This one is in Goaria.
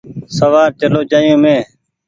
سوآر چلو جآيو مينٚ